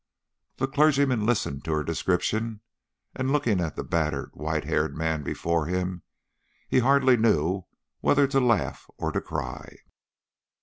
The clergyman listened to her description, and looking at the battered, white haired man before him, he hardly knew whether to laugh or to cry.